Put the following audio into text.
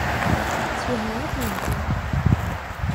Teswehmem akk medden.